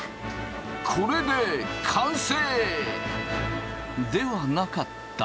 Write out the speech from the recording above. これで完成！ではなかった。